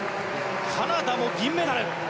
カナダも銀メダル。